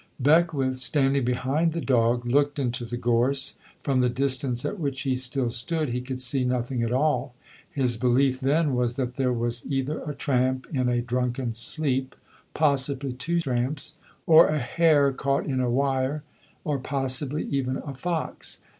Beckwith, standing behind the dog, looked into the gorse. From the distance at which he still stood he could see nothing at all. His belief then was that there was either a tramp in a drunken sleep, possibly two tramps, or a hare caught in a wire, or possibly even a fox.